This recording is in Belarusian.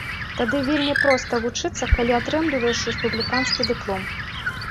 Тады вельмі проста вучыцца, калі атрымліваеш рэспубліканскі дыплом.